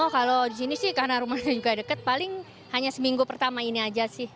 kalau di sini sih karena rumahnya juga dekat paling hanya seminggu pertama ini aja sih